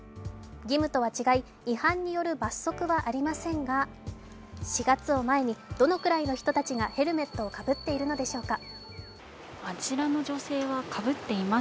義務とは違い違反による罰則はありませんが４月を前に、どのくらいの人たちがヘルメットをかぶっているのでしょうか。